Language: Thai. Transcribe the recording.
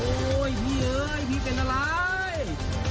พี่เอ๋ยพี่เป็นอะไร